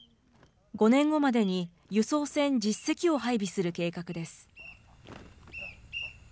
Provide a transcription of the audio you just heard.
５年後までに輸送船１０隻を配備する計画です。